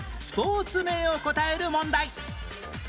スポーツ名を答える問題